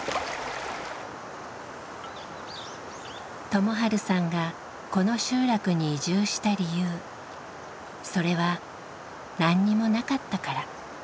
友治さんがこの集落に移住した理由それは何にもなかったから。